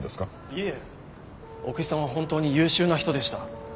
いえ奥居さんは本当に優秀な人でした。